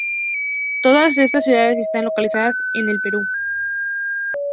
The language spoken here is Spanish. Todas estas ciudades están localizadas en el Perú.